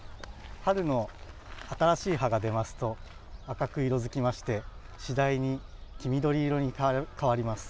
春の新しい葉が出ますと赤く色づきまして次第に黄緑色に変わります。